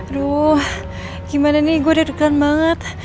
aduh gimana nih gua udah dukan banget